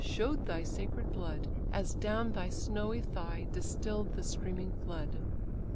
show'd thy sacred blood, As down thy snowy thigh distill'd the streaming flood.